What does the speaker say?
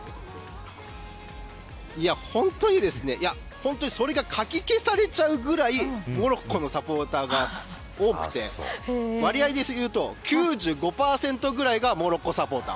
本当にそれが、かき消されちゃうぐらいモロッコのサポーターが多くて割合で言うと９５％ぐらいがモロッコサポーター。